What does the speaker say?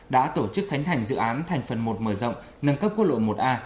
đã tổ chức khánh thành dự án thành phần một mở rộng nâng cấp quốc lộ một a